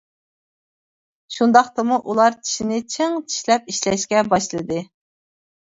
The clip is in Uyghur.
شۇنداقتىمۇ ئۇلار چىشىنى چىڭ چىشلەپ ئىشلەشكە باشلىدى.